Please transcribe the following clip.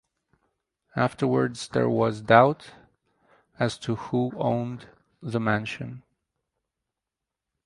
Afterwards there was doubt as to who owned the mansion.